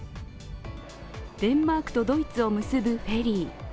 デンマークとドイツを結ぶフェリー。